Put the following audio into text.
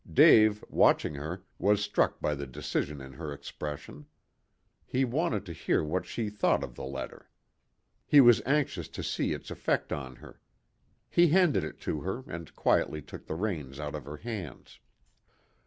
Dave, watching her, was struck by the decision in her expression. He wanted to hear what she thought of the letter. He was anxious to see its effect on her. He handed it to her, and quietly took the reins out of her hands.